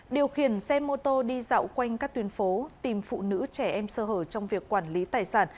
điều khiển xe mô tô đi dạo quanh các tuyến phố tìm phụ nữ trẻ em sơ hở trong việc quản lý tài sản